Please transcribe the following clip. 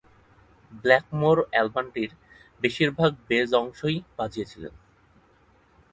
Blackmoor অ্যালবামটির বেশিরভাগ base অংশই বাজিয়েছিলেন।